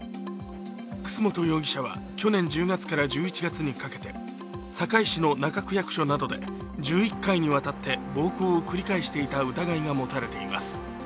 楠本容疑者は去年１０月から１１月にかけて堺市の中区役所などで１１回にわたって暴行を繰り返していた疑いが持たれています。